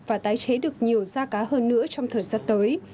và tái chế được nhiều da cá hơn nữa trong thời gian tới